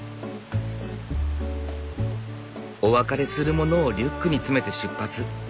お別れするものをリュックに詰めて出発。